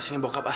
sini bokap ah